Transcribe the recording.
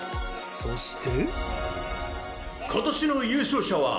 そして。